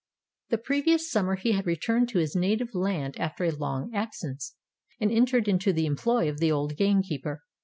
The previous summer he had returned to his native land after a long absence, and entered into the employ of the old gamekeeper.